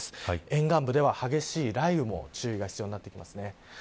沿岸部では激しい雷雨も注意が必要になってきます。